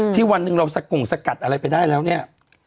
วันหนึ่งเราสกงสกัดอะไรไปได้แล้วเนี่ย